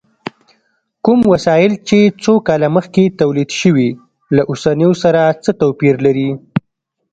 کوم وسایل چې څو کاله مخکې تولید شوي، له اوسنیو سره څه توپیر لري؟